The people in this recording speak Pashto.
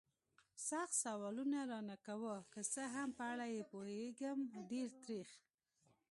سخت سوالونه را نه کوه. که څه هم په اړه یې پوهېږم، ډېر تریخ.